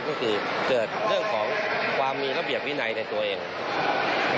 ก็คือเกิดเรื่องของความมีระเบียบวินัยในตัวเอง